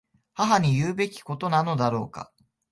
母に言うべきことなのだろうか。